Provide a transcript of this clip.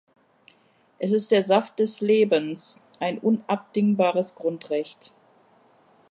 Es ist der Saft des Lebens, ein unabdingbares Grundrecht.